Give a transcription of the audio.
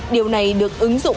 điều này được ứng dụng